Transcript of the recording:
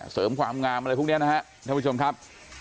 เสริมความงามอะไรพวกนี้นะครับท่านผู้ชมครับ